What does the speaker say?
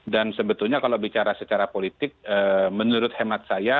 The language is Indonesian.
dan sebetulnya kalau bicara secara politik menurut hemat saya